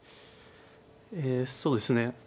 えそうですね